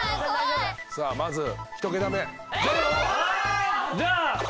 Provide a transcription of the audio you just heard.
さあまず１桁目。